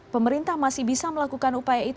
pemerintah masih bisa melakukan upaya itu